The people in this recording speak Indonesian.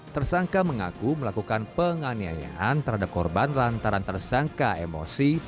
tersangka mengaku melakukan penganiayaan terhadap korban lantaran tersangka emosi